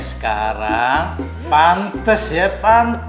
sekarang pantes ya